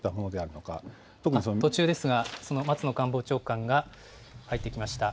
途中ですが、松野官房長官が入ってきました。